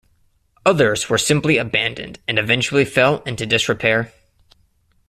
Others were simply abandoned and eventually fell into disrepair.